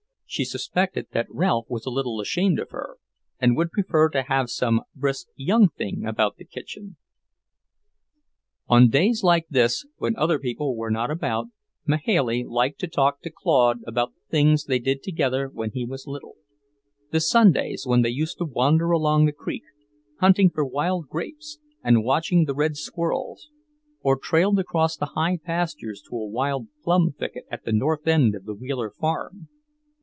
She suspected that Ralph was a little ashamed of her, and would prefer to have some brisk young thing about the kitchen. On days like this, when other people were not about, Mahailey liked to talk to Claude about the things they did together when he was little; the Sundays when they used to wander along the creek, hunting for wild grapes and watching the red squirrels; or trailed across the high pastures to a wild plum thicket at the north end of the Wheeler farm.